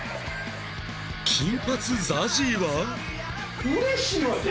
金髪 ＺＡＺＹ は